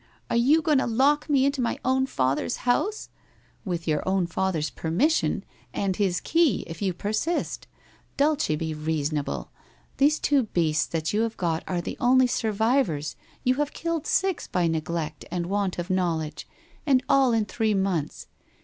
Are you going to lock me into my own father's house ?'' With your own father's permission, and his key, if you persist. Dulce, be reasonable. These two beasts that you have got are the only survivors, you have killed six by neglect and want of knowledge, and all in three months.